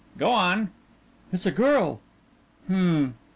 "Go on." "It's a girl." "Hm."